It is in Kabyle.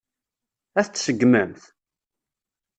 Ad t-tseggmemt?